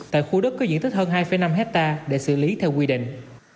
tại khu đất có diện tích hơn hai năm hectare để xử lý theo quy định